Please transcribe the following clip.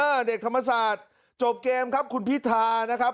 เด็กธรรมศาสตร์จบเกมครับคุณพิธานะครับ